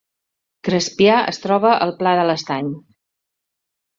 Crespià es troba al Pla de l’Estany